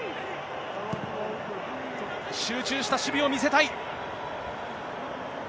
集中した守備を見せたい。